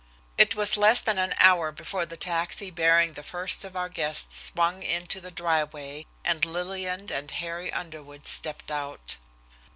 It was less than an hour before the taxi bearing the first of our guests swung into the driveway and Lillian and Harry Underwood stepped out.